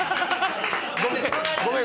ごめん。